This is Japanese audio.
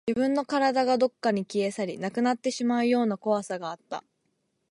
自分の体がどこかに消え去り、なくなってしまうような怖さがあった